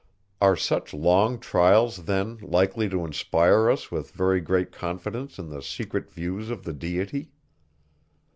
Are such long trials then likely to inspire us with very great confidence in the secret views of the Deity?